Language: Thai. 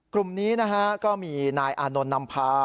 กลุ่มนี้นะฮะก็มีนายอานนท์นำพา